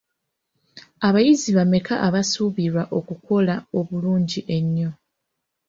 Abayizi bameka abasuubirwa okukola obulungi ennyo?